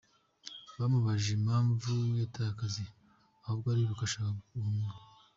Bamubajije impamvu yataye akazi ahubwo ariruka ashaka guhunga.